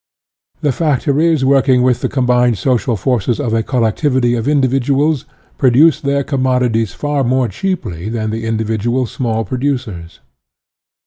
The fac tories working with the combined social forces of a collectivity of individuals pro duced their commodities far more cheaply than the individual small producers.